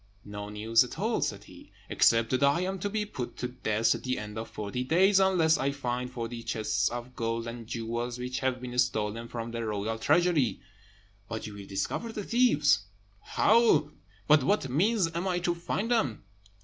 "No news at all," said he, "except that I am to be put to death at the end of forty days, unless I find forty chests of gold and jewels which have been stolen from the royal treasury." "But you will discover the thieves." "How? By what means am I to find them?"